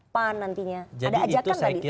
pan nantinya ada ajakan tadi secara eksklusif